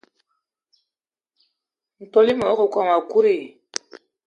Ntol mot wakokóm ekut i?